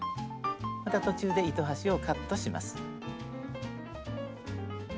また途中で糸端をカットします。